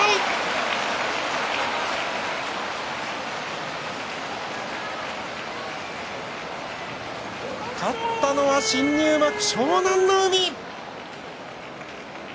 拍手勝ったのは新入幕湘南乃海。